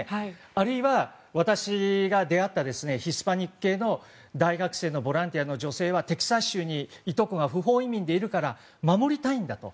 あるいは、私が出会ったヒスパニック系の大学生のボランティアの女性はテキサス州にいとこが不法移民でいるから守りたいんだと。